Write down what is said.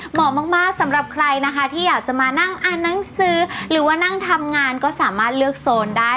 เหมาะมากสำหรับใครนะคะที่อยากจะมานั่งอ่านหนังสือหรือว่านั่งทำงานก็สามารถเลือกโซนได้